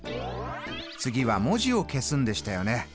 次は文字を消すんでしたよね。